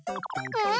うん。